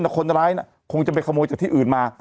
แต่คนร้ายคงจะไปขโมยจากที่อื่นมา